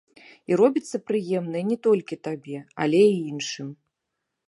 І робіцца прыемнае не толькі табе, але і іншым.